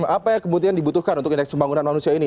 apa yang kemudian dibutuhkan untuk indeks pembangunan manusia ini